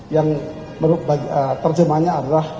yang menurut terjemahnya adalah